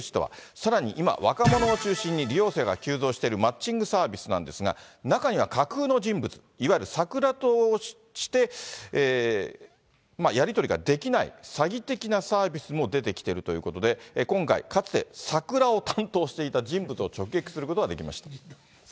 さらに今、若者を中心に利用者が急増しているマッチングサービスなんですが、中には架空の人物、いわゆるサクラとしてやり取りができない詐欺的なサービスも出てきているということで、今回、かつてサクラを担当していた人物を直撃することができました。